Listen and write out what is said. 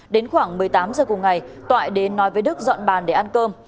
đến khoảng một mươi tám giờ cùng ngày toại đến nói với đức dọn bàn để ăn cơm